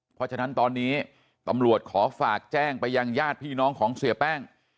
เพราะฉะนั้นตอนนี้ตำรวจขอฝากแจ้งไปยังญาติพี่น้องของเสียแป้ง